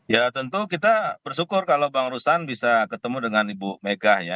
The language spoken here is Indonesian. ya tentu kita bersyukur kalau bang ruslan bisa ketemu dengan ibu mega ya